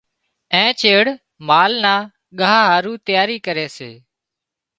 اين چيڙ مال نا ڳاهَ هارُو تياري ڪري سي۔